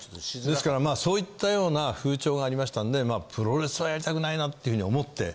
ですからそういったような風潮がありましたんでプロレスはやりたくないなっていうふうに思って。